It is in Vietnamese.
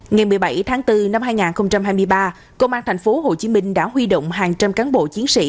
ngày một mươi bảy tháng bốn năm hai nghìn hai mươi ba công an tp hcm đã huy động hàng trăm cán bộ chiến sĩ